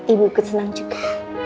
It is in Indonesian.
ibu aku senang juga